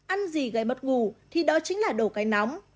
ăn gì gây mất ngủ thì đó chính là đồ cái nóng